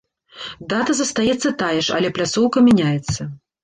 Дата застаецца тая ж, але пляцоўка мяняецца.